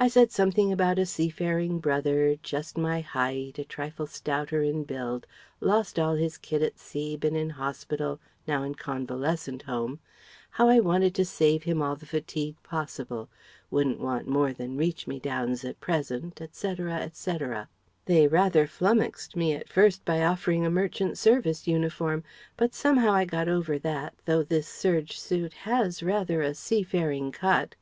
I said something about a sea faring brother, just my height, a trifle stouter in build lost all his kit at sea been in hospital now in convalescent home how I wanted to save him all the fatigue possible wouldn't want more than reach me downs at present, etc., etc. They rather flummoxed me at first by offering a merchant service uniform, but somehow I got over that, though this serge suit has rather a sea faring cut.